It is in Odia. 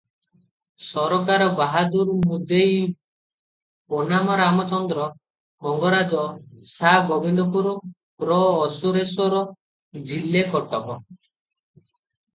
ସରକାର ବାହାଦୂର ମୁଦେଇ ବନାମ ରାମଚନ୍ଦ୍ର ମଙ୍ଗରାଜ ସା ଗୋବିନ୍ଦପୁର ପ୍ର; ଅସୁରେଶ୍ୱର, ଜିଲେ କଟକ ।